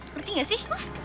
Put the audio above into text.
berarti gak sih